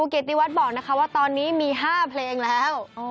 ครูเกตติวัดบอกนะคะว่าตอนนี้มี๕เพลงแล้ว